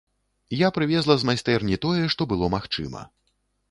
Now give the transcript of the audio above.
Я прывезла з майстэрні тое, што было магчыма.